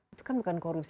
itu kan bukan korupsi